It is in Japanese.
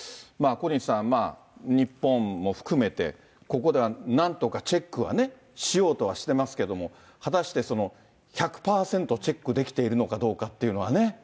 小西さん、日本も含めて、ここではなんとかチェックはねしようとはしてますけれども、果たして１００％チェックできているのかどうかというのはね。